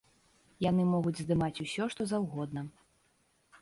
Яны могуць здымаць усё, што заўгодна.